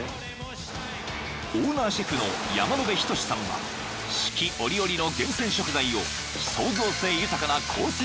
［オーナーシェフの山野辺仁さんは四季折々の厳選食材を創造性豊かなコース